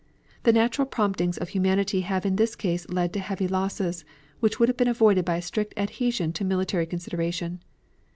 The natural promptings of humanity have in this case led to heavy losses, which would have been avoided by a strict adhesion to military consideration.